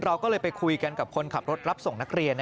เราก็เลยไปคุยกันกับคนขับรถรับส่งนักเรียน